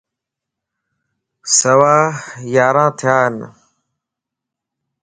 سوا ياران ٿيان